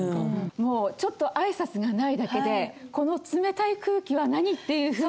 もうちょっと挨拶がないだけで「この冷たい空気は何？」っていうふうな。